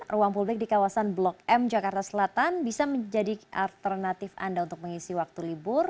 ruang publik di kawasan blok m jakarta selatan bisa menjadi alternatif anda untuk mengisi waktu libur